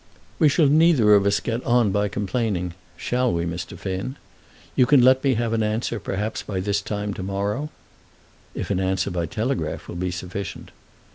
"We shall neither of us get on by complaining; shall we, Mr. Finn? You can let me have an answer perhaps by this time to morrow." "If an answer by telegraph will be sufficient."